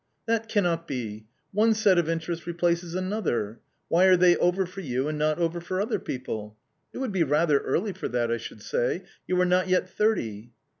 "That cannot be ; one set of interests replaces another. Why are they over for you, and not over for other people ? It would be rather early for that, I should say ; you are not yet thirty."